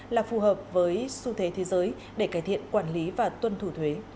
là phù hợp với xu thế thế giới để cải thiện quản lý và tuân thủ thuế